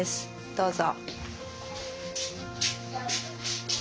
どうぞ。